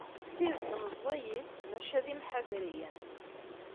D tidet meẓẓiyit, maca d imḥadriyen.